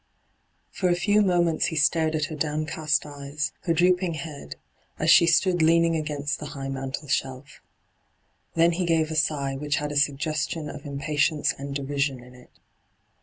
For a few moments he stared at her down cast eyes, her drooping head, as she stood leaning against the high mantelshelf. Then he gave a sigh which had a suggestion of impatience and derision in it.